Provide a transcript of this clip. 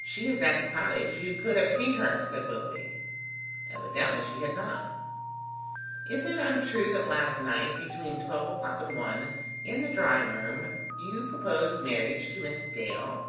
"She is at the cottage. You could have seen her," said Willoughby. Evidently she had not. "Is it untrue that last night, between twelve o'clock and one, in the drawing room, you proposed marriage to Miss Dale?"